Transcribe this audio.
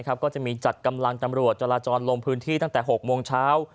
ก็จะมีจัดกำลังตำรวจจราจรลงพื้นที่ตั้งแต่๖โมงเช้า